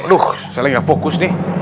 aduh saya gak fokus nih